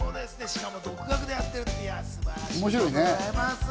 しかも独学でやってるってすごいですね。